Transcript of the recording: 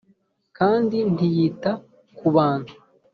Kandi ntiyita ku bantu